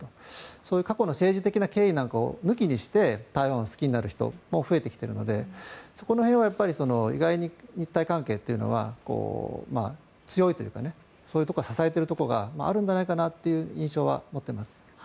そういう過去の政治的なものを抜きにして台湾を好きになる人も増えてきているのでそこら辺は意外に日台関係というのは強いというかそういうところで支えているところがあるんじゃないかなという印象は持っています。